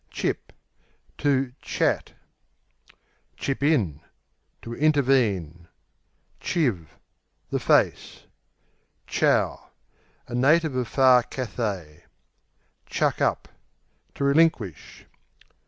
Chip To "chat," q.v. Chip in To intervene. Chiv The face. Chow A native of far Cathay. Chuck up To relinquish.